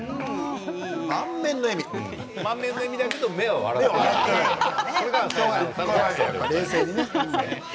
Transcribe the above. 満面の笑みだけど目は笑っていないですね。